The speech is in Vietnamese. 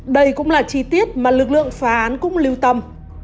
đây cũng là chi tiết mà lực lượng phá án cũng lưu tâm